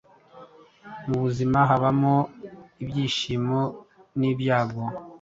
Mu buzima habamo ibyishimo n’ibyago.